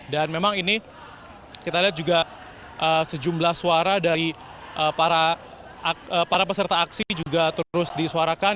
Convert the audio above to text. dan memang ini kita lihat juga sejumlah suara dari para peserta aksi juga terus disuarakan